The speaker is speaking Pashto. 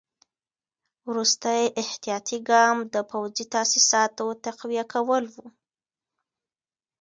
وروستی احتیاطي ګام د پوځي تاسیساتو تقویه کول وو.